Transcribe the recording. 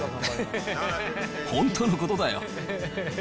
本当のことだよ。